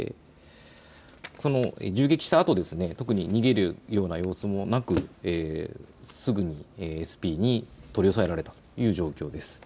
銃撃したあとですね特に逃げるような様子もなくすぐにＳＰに取り押さえられたという状況です。